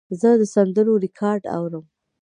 زه د سندرو ریکارډ اورم.